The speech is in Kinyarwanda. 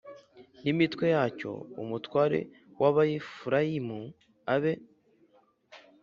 n imitwe yacyo umutware w Abefurayimu abe